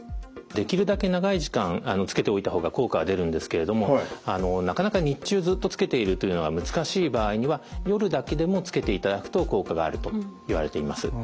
できるだけ長い時間着けておいた方が効果は出るんですけれどもあのなかなか日中ずっと着けているというのが難しい場合には夜だけでも着けていただくと効果があるといわれています。